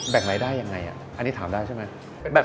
รายได้ยังไงอันนี้ถามได้ใช่ไหม